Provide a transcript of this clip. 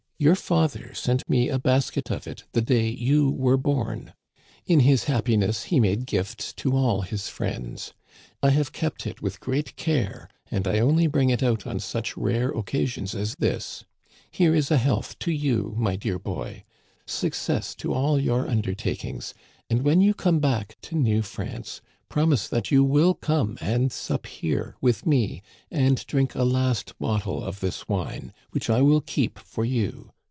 Your father sent me a basket of it the day you were born. In his happiness he made gifts to all his friends. I have kept it with great care, and I only bring it out on such rare occasions as this. Here is a health to you, my dear boy. Success to all your undertakings ; and when you come back to New France, promise that you will come and sup here with me, and drink a last bottle of this wine, which I will keep for you.